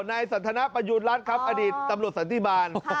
นายสันทนประยูณรัฐครับอดีตตำรวจสันติบาล